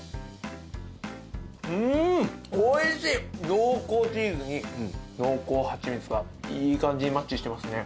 濃厚チーズに濃厚はちみつがいい感じにマッチしてますね。